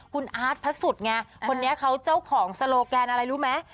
คุณอาร์ตพระสุทธิ์ไงคนนี้เขาเจ้าของโลแกนอะไรรู้ไหม